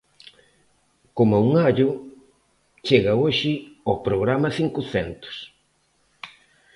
Coma un allo chega hoxe ao programa cincocentos.